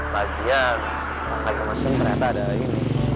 pagi ya pas lagi mesen ternyata ada ini